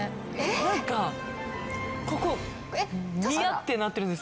なんかここニヤッてなってるんです。